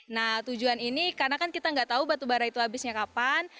nah tujuan ini karena kan kita nggak tahu batu bara itu habisnya kapan